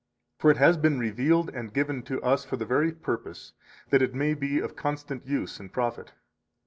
For it has been revealed and given to us for the very purpose that it may be of constant use and profit.